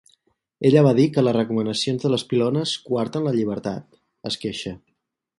Ella va dir que les recomanacions de les pilones coarten la llibertat, es queixa.